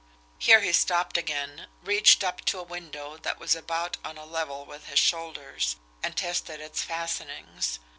Here he stopped again, reached up to a window that was about on a level with his shoulders, and tested its fastenings.